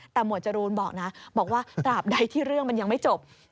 แต่หมวดจรูนบอกนะบอกว่าตราบใดที่เรื่องมันยังไม่จบ